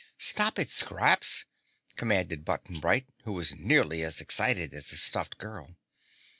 "Stop it, Scraps!" commanded Button Bright who was nearly as excited as the stuffed girl.